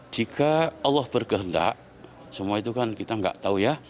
jika allah berkehendak semua itu kan kita nggak tahu ya